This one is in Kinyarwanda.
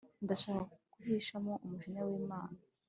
Ndashaka kukwihishamo umujinya w’Imana